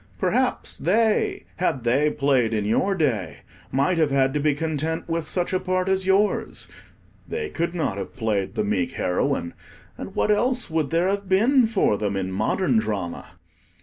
Perhaps they, had they played in your day, might have had to be content with such a part as yours. They could not have played the meek heroine, and what else would there have been for them in modern drama?